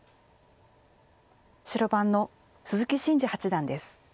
白番の鈴木伸二八段です。